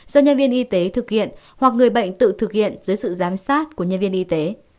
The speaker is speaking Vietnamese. do nhân viên y tế thực hiện hoặc người bệnh tự thực hiện dưới sự giám sát của nhân viên y tế